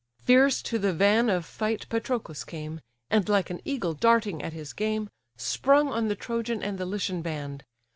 Fierce to the van of fight Patroclus came, And, like an eagle darting at his game, Sprung on the Trojan and the Lycian band.